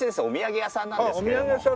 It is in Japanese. お土産屋さんなんですけども。